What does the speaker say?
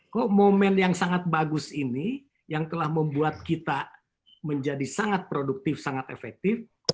kok momen yang sangat bagus ini yang telah membuat kita menjadi sangat produktif sangat efektif